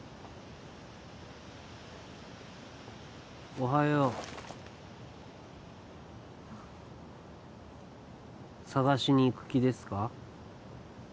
おはようあっ捜しに行く気ですか？